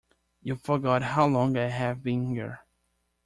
You forget how long I have been here.